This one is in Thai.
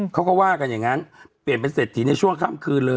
เขาก็ว่ากันอย่างนั้นเปลี่ยนเป็นเศรษฐีในช่วงค่ำคืนเลย